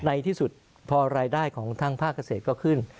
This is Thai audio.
ในที่สุดพอรายได้ของทางภาคเกษตรก็ขึ้น